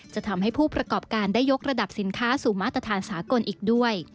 จะทำให้ผู้ประกอบการได้ยกระดับสินค้าสู่มาตรฐานสากลอีกด้วย